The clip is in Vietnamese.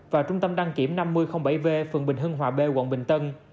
và trung tâm đăng kiểm năm mươi bảy v phường bình hưng hòa b quận bình tân